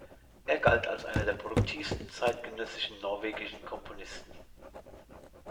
Er galt als einer der produktivsten zeitgenössischen norwegischen Komponisten.